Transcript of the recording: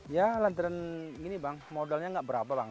ya lantaran gini bang modalnya nggak berapa bang